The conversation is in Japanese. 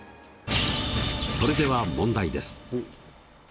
それでは問題です。